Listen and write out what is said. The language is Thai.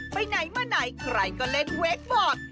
ไปไหนมาไหนใครก็เล่นเวคบอร์ด